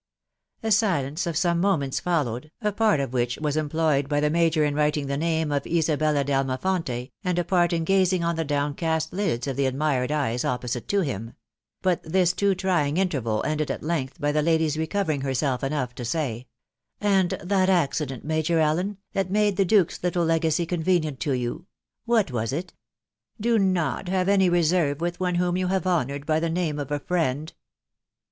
" A silence of some moments followed, a part of which was employed by the major in writing the name of Isabella d'Al mafonte, and a part in gazing on the downcast lids of the admired eyes opposite to him ; but this too trying interval ended at length by the lady^ recovering herself enough to say, " And that accident, Major Allen, that made the duke's little legacy convenient to you ?.... what was it ?.... Do not have any reserve with one whom you have honoured by the name of friend!"